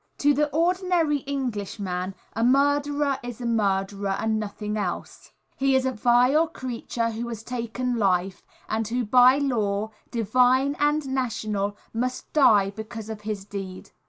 To the ordinary Englishman a murderer is a murderer and nothing else. He is a vile creature who has taken life, and who by law, divine and national, must die because of his deed.